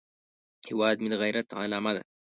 هیواد مې د غیرت علامه ده